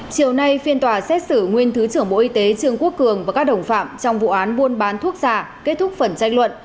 chiều nay phiên tòa xét xử nguyên thứ trưởng bộ y tế trương quốc cường và các đồng phạm trong vụ án buôn bán thuốc giả kết thúc phần tranh luận